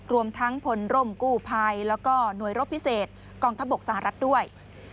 รวมทั้งพลร่มกู้ภัยแล้วก็หน่วยรบพิเศษกองทัพบกสหรัฐด้วย